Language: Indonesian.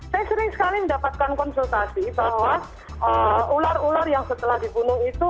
saya sering sekali mendapatkan konsultasi bahwa ular ular yang setelah dibunuh itu